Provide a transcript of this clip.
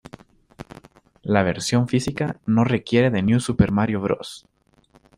La versión física no requiere de New Super Mario Bros.